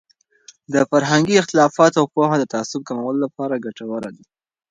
د فرهنګي اختلافاتو پوهه د تعصب کمولو لپاره ګټوره دی.